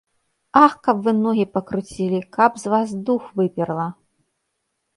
Ах, каб вы ногі пакруцілі, каб з вас дух выперла.